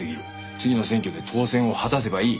次の選挙で当選を果たせばいい。